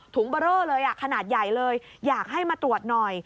เบอร์เรอเลยขนาดใหญ่เลยอยากให้มาตรวจหน่อย